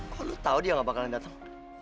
kalau lo tau dia gak bakalan datang